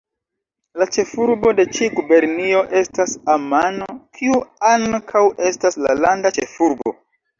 La ĉefurbo de ĉi gubernio estas Amano, kiu ankaŭ estas la landa ĉefurbo.